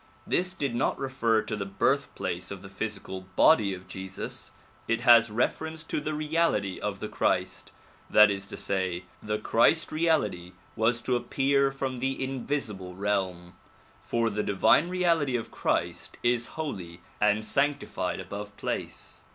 This did not refer to the birthplace of the physical body of Jesus. It has reference to the reality of the Christ ; that is to say, the Christ reality was to appear from the invisible realm, for the divine reality of Christ is holy and sanctified above place.